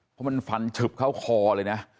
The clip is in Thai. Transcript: เพราะมันฟันฉึบเข้าคอเลยนะ